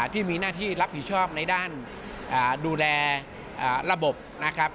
ที่มีหน้าที่รับผิดชอบในด้านดูแลระบบนะครับ